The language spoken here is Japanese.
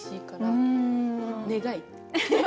願い？